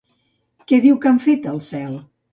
Què diu que han fet al Cel?